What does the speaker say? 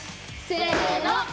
せの！